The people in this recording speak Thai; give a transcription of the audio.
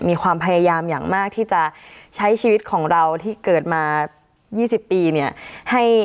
มีความพยายามอย่างมากที่จะใช้ชีวิตของเราที่เกิดมา๒๐ปีเนี่ย